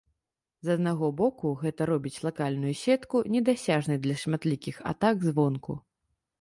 З аднаго боку, гэта робіць лакальную сетку недасяжнай для шматлікіх атак звонку.